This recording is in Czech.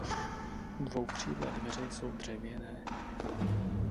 Dvoukřídlé dveře jsou dřevěné.